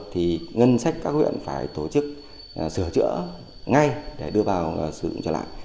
thì ngân sách các huyện phải tổ chức sửa chữa ngay để đưa vào sử dụng trở lại